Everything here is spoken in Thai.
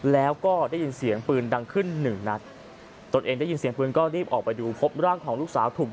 แล้วได้ยินเสียงปืนมักนางขึ้น๑นัท